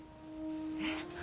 えっ？